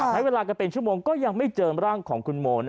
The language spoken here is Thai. ใช้เวลากันเป็นชั่วโมงก็ยังไม่เจอร่างของคุณโม